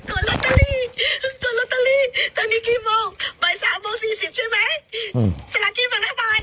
โอเค